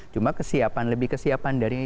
cuma kesiapan lebih kesiapan dari